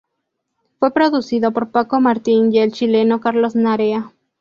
Fue producido por Paco Martín y el chileno Carlos Narea.